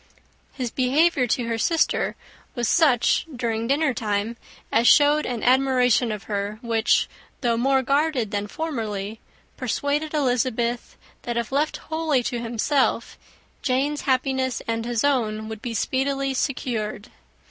His behaviour to her sister was such during dinnertime as showed an admiration of her, which, though more guarded than formerly, persuaded Elizabeth, that, if left wholly to himself, Jane's happiness, and his own, would be speedily secured.